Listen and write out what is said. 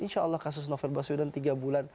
insya allah kasus novel baswedan tiga bulan